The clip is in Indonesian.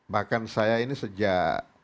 bahkan saya ini sejak